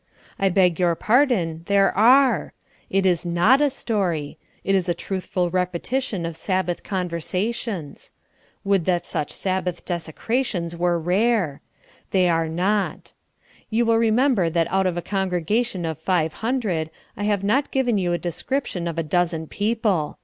I beg your pardon, there are. It is not a story; it is a truthful repetition of Sabbath conversations. Would that such Sabbath desecrations were rare. They are not. You will remember that out of a congregation of five hundred I have not given you a description of a dozen people.